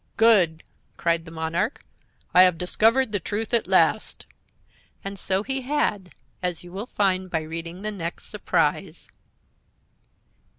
"Good," cried the monarch; "I have discovered the truth at last!" And so he had, as you will find by reading the next surprise.